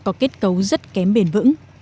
có kết cấu rất kém bền vững